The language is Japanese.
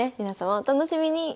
皆様お楽しみに。